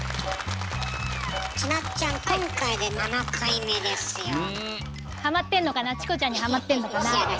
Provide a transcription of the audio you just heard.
ちなっちゃんハマってんのかなチコちゃんにハマってんのかな。